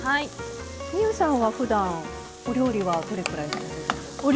望結さんはふだんお料理はどのくらいするんですか？